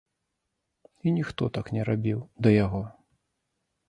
І ніхто так не рабіў да яго.